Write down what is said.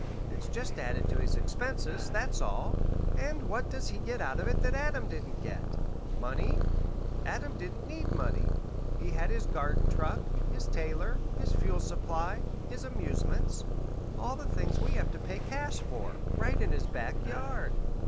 It's just added to his expenses, that's all. And what does he get out of it that Adam didn't get? Money? Adam didn't need money. He had his garden truck, his tailor, his fuel supply, his amusements all the things we have to pay cash for right in his backyard.